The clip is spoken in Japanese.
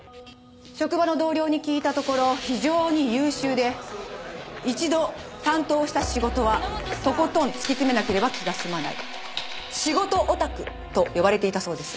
職場の同僚に聞いたところ非常に優秀で一度担当した仕事はとことん突き詰めなければ気が済まない「仕事オタク」と呼ばれていたそうです。